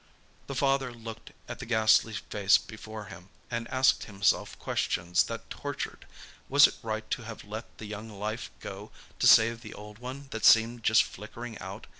The father looked at the ghastly face before him, and asked himself questions that tortured—Was it right to have let the young life go to save the old one that seemed just flickering out?